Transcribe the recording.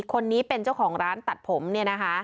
คนนี้เป็นเจ้าของร้านตัดผมเนี่ยนะคะ